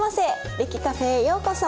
歴Ｃａｆｅへようこそ。